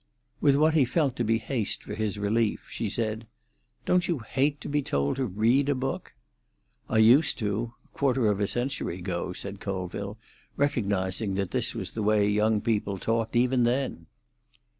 With what he felt to be haste for his relief she said, "Don't you hate to be told to read a book?" "I used to—quarter of a century ago," said Colville, recognising that this was the way young people talked, even then.